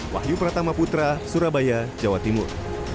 wahyu pratama putra surabaya jawa timur